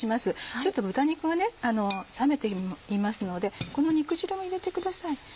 ちょっと豚肉が冷めていますのでこの肉汁も入れてください。